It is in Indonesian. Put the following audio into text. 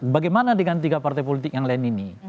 bagaimana dengan tiga partai politik yang lain ini